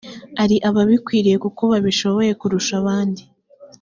ari ababikwiriye koko babishoboye kurusha abandi